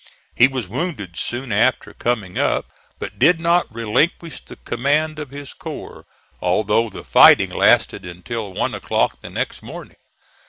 He was wounded soon after coming up but did not relinquish the command of his corps, although the fighting lasted until one o'clock the next morning.